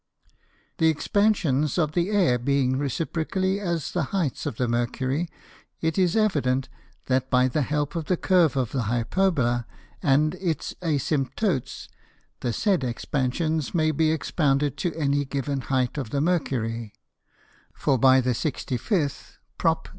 The Expansions of the Air being reciprocally as the heights of the Mercury, it is evident, that by the help of the Curve of the Hyperbola and its Asymptotes, the said Expansions may be expounded to any given height of the Mercury: For by the 65th _Prop.